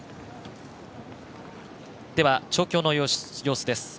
では、調教の様子です。